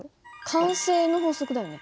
慣性の法則だよね。